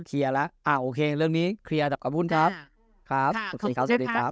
อ่าโอเคเรื่องนี้เคลียร์ขอบคุณครับครับสวัสดีครับสวัสดีครับ